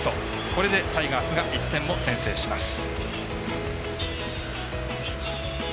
これで、タイガースが１点を先制します。